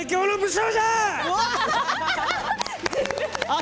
あ！